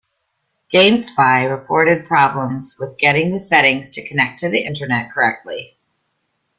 Gamespy reported problems with getting the settings to connect to the Internet correctly.